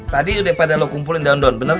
tadi udah pada lo kumpulin daun daun bener